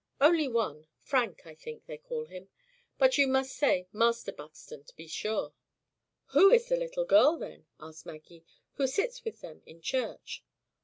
"Only one. Frank, I think, they call him. But you must say Master Buxton; be sure." "Who is the little girl, then," asked Maggie, "who sits with them in church?"